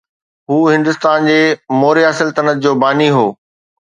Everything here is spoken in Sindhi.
هو هندستان جي موريا سلطنت جو باني هو